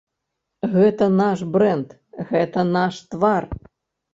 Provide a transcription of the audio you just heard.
Гэта наш брэнд, гэта наш твар.